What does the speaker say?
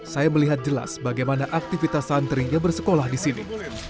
saya melihat jelas bagaimana aktivitas santrinya bersekolah di sini